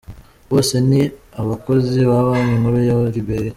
Bose ni abakozi ba banki nkuru ya Liberia.